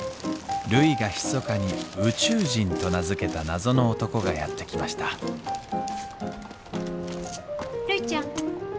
るいがひそかに宇宙人と名付けた謎の男がやって来ましたるいちゃん。